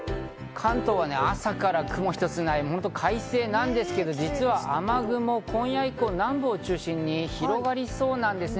関東は朝から雲一つない快晴なんですけれども、実は雨雲、今夜以降、南部を中心に広がりそうなんですね。